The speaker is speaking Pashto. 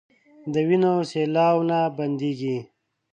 د وينو سېلاوو نه بنديږي